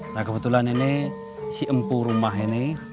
nah kebetulan ini si empu rumah ini